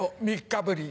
３日ぶり。